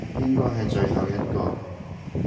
應該係最後一個